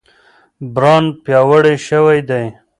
برانډ پیاوړی شوی دی.